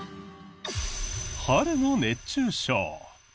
春の熱中症。